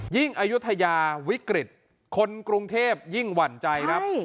อายุทยาวิกฤตคนกรุงเทพยิ่งหวั่นใจครับ